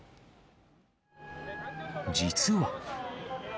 実は。